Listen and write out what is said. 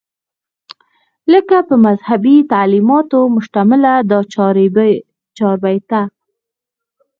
لکه پۀ مذهبي تعليماتو مشتمله دا چاربېته